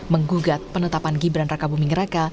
menggugat penetapan gibran raka buming raka